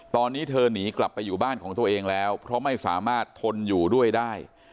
ตอนนี้เธอหนีกลับไปอยู่บ้านของตัวเองแล้วเพราะไม่สามารถทนอยู่ด้วยได้